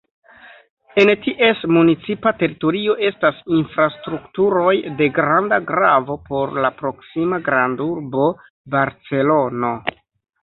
En ties municipa teritorio estas infrastrukturoj de granda gravo por la proksima grandurbo Barcelono.